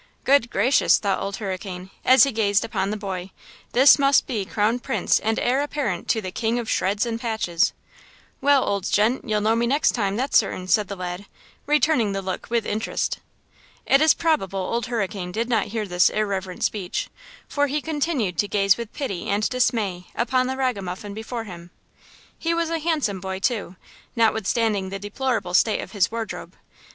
"Good gracious!" thought Old Hurricane, as he gazed upon the boy, "this must be crown prince and heir apparent to the 'king of shreds and patches!' " "Well, old gent! you'll know me next time, that's certain," said the lad, returning the look with interest. It is probable Old Hurricane did not hear this irreverent speech, for he continued to gaze with pity and dismay upon the ragamuffin before him. He was a handsome boy, too, notwithstanding the deplorable state of his wardrobe.